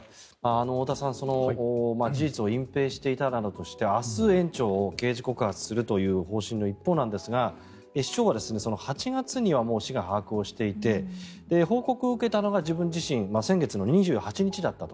太田さん、事実を隠ぺいしていたなどとして明日、園長を刑事告発するという方針の一方なんですが市長は８月にはもう市が把握をしていて報告を受けたのが自分自身先月の２８日だったと。